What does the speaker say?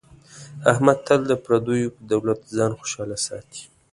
احمد تل د پردیو په دولت ځان خوشحاله ساتي.